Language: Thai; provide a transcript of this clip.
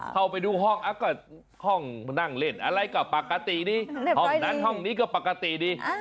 เข้าไปดูห้องนั่งเล่นอะไรก็ปกติดีห้องนั้นห้องนี้ก็ปกติดี